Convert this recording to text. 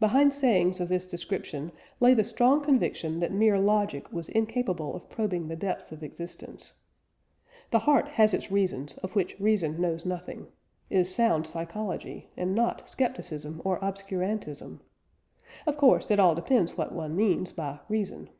Behind sayings of this description lay the strong conviction that mere logic was incapable of probing the depths of existence. "The heart has its reasons of which reason knows nothing," is sound psychology, and not scepticism or obscurantism. Of course it all depends what one means by "reason."